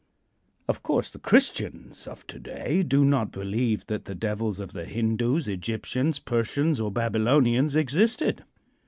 Of course, the Christians of to day do not believe that the devils of the Hindus, Egyptians, Persians or Babylonians existed.